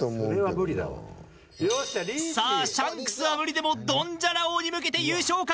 さあシャンクスは無理でもドンジャラ王に向けて優勝を懸けたリーチ。